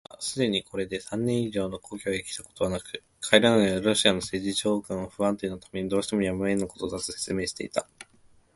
その友人はすでにこれで三年以上も故郷へきたことはなく、帰らないのはロシアの政治情勢の不安定のためにどうしてもやむをえぬことだ、と説明していた。